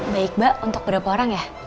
baik mbak untuk berapa orang ya